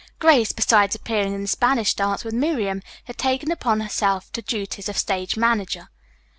Grace, besides appearing in the Spanish dance with Miriam, had taken upon herself the duties of stage manager.